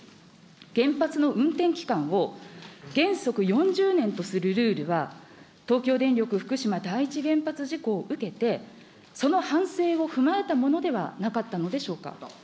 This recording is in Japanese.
原発の運転期間を、原則４０年とするルールは、東京電力福島第一原発事故を受けて、その反省を踏まえたものではなかったのではないでしょうか。